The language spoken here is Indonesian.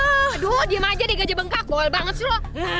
aduh diem aja deh gajah bengkak bawel banget sih lo